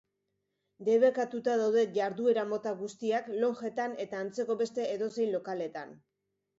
Debekatuta daude jarduera-mota guztiak lonjetan eta antzeko beste edozein lokaletan.